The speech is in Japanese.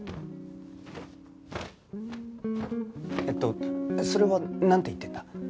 えっとそれはなんて言ってんだ？